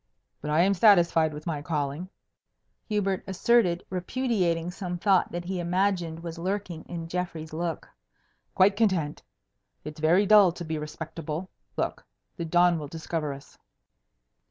"But I am satisfied with my calling," Hubert asserted, repudiating some thought that he imagined was lurking in Geoffrey's look. "Quite content! It's very dull to be respectable. Look! the dawn will discover us."